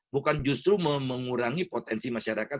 bukan justru mengurangi potensi masyarakat